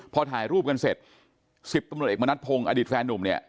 พอถ่ายรูปกันเสร็จ๑๐ตำรวจเอกมณัฐพงศ์อดีตแฟนนุ่มเนี่ย